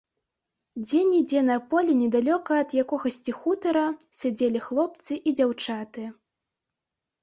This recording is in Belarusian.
Дзе-нідзе на полі недалёка ад якогасьці хутара сядзелі хлопцы і дзяўчаты.